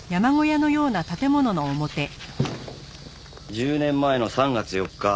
１０年前の３月４日。